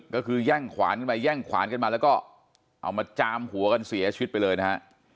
ก็คือยั่งขวานกันมาแล้วก็เอามาจามหัวกันเสียชีวิตไปเลยนะฮะ